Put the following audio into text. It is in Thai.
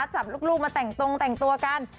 จับลูกมาแต่งตรงแต่งตัวกัน